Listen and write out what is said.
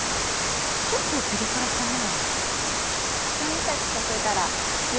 ちょっとピリ辛かな？